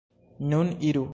Nun iru!